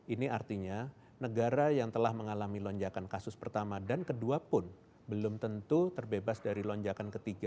ini artinya negara yang telah mengalami lonjakan kasus pertama dan kedua pun belum tentu terbebas dari lonjakan ketiga